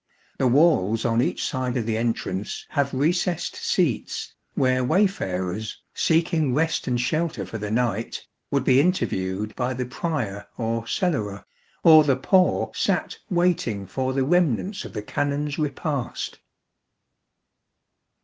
The walls on each side of the entrance have recessed seats, where wayfarers, seeking rest and shelter for the night, would be interviewed by the Prior or Cellarer, or the poor sat waiting for the remnants of the Canons' repast.